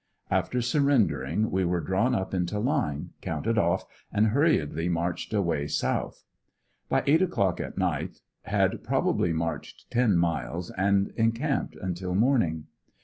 After surrendering we were drawn up into line, counted off and hurriedly marched away south. By eight o'clock at night had probably marched ten miles, and encamped until morning.